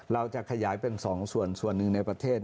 เราจะขยายเป็น๒ส่วนส่วนหนึ่งในประเทศ